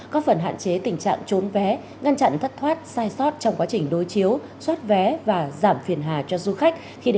có phần hạn chế tình trạng trốn vé ngăn chặn thất thoát sai sót trong quá trình đối chiếu xót vé và giảm phiền hà cho du khách khi đến